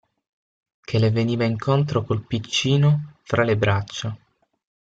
Che le veniva incontro col piccino fra le braccia.